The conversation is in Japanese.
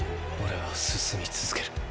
オレは進み続ける。